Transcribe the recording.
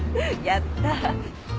やった。